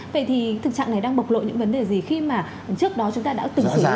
vậy thì thực trạng này đang bộc lộ những vấn đề gì khi mà trước đó chúng ta đã từng xảy ra